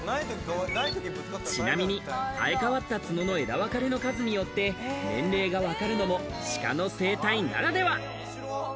ちなみに生え変わった角の枝わかれの数によって年齢が分かるのも鹿の生態ならでは。